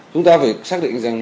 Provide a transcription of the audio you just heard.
chúng ta phải xác định rằng